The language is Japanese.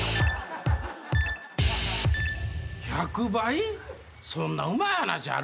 １００倍⁉そんなうまい話あるかな？